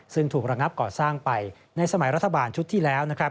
ซึ่งถูกระงับก่อสร้างไปในสมัยรัฐบาลชุดที่แล้ว